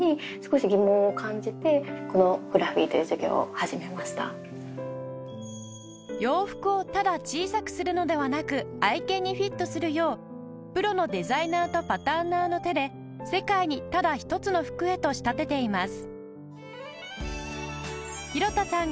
廣田さんの洋服をただ小さくするのではなく愛犬にフィットするようプロのデザイナーとパタンナーの手で世界にただひとつの服へと仕立てています